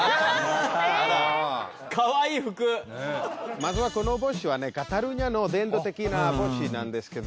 まずはこの帽子はねカタルーニャの伝統的な帽子なんですけど。